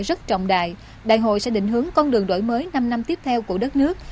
rất trọng đại đại hội sẽ định hướng con đường đổi mới năm năm tiếp theo của đất nước